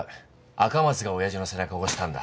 赤松がおやじの背中を押したんだ。